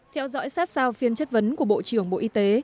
theo dõi sát sao phiên chất vấn của bộ trưởng bộ y tế